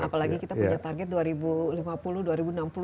apalagi kita punya target dua ribu lima puluh dua ribu enam puluh